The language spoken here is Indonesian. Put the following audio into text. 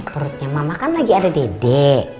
perutnya mama kan lagi ada dede